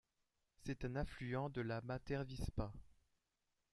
C'est un affluent de la Mattervispa.